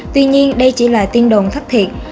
tuy nhiên đây chỉ là tin đồn thất thiệt